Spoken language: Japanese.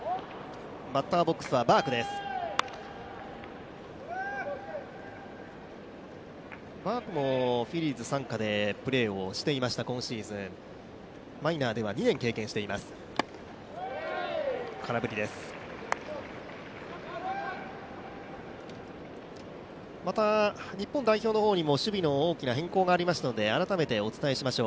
バークもフィリーズ傘下でプレーをしていました、今シーズン、マイナーでは２年経験しています。